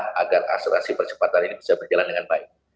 dengan asurasi percepatan ini bisa berjalan dengan baik